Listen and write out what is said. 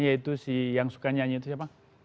yaitu si yang suka nyanyi itu siapa